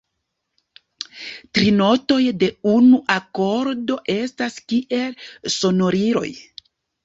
Tri notoj de unu akordo estas kiel sonoriloj.